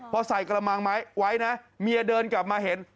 พอไว้ไว้น่ะเมียเดินกลับมาเห็น